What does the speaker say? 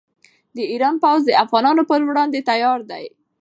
د ایران پوځ د افغانانو پر وړاندې تیار دی.